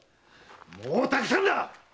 もうたくさんだ！